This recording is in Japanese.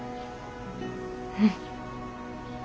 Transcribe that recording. うん。